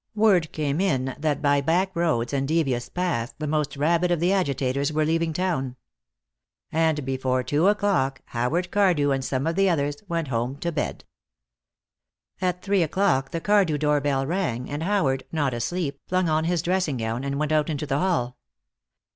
Word came in that by back roads and devious paths the most rabid of the agitators were leaving town. And before two o'clock Howard Cardew and some of the others went home to bed. At three o'clock the Cardew doorbell rang, and Howard, not asleep, flung on his dressing gown and went out into the hall.